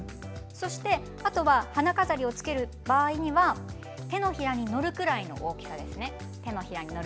あとは花飾りをつける場合には手のひらに載るぐらいの大きさですね